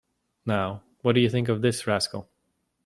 Now, what do you think of this rascal?